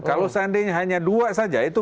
kalau seandainya hanya dua saja itu